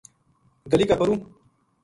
گلی کا پرُو